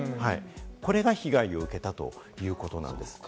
これが被害を受けたということなんです。